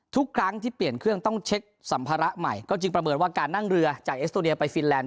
ทุกครั้งที่เปลี่ยนเครื่องต้องเช็คสัมภาระใหม่ก็จึงประเมินว่าการนั่งเรือจากเอสโตเรียไปฟินแลน